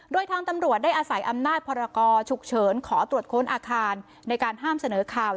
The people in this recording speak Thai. โดยทางตำรวจได้อาศัยอำนาจพรกรฉุกเฉินขอตรวจค้นอาคารในการห้ามเสนอข่าว